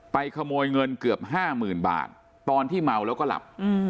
ขโมยเงินเกือบ๕๐๐๐บาทตอนที่เมาแล้วก็หลับ